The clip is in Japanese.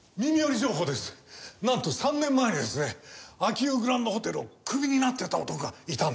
なんと３年前にですね秋保グランドホテルをクビになっていた男がいたんです。